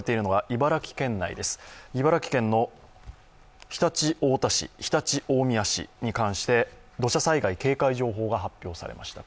茨城県の常陸太田市、常陸大宮市に関して土砂災害警戒情報が発表されました。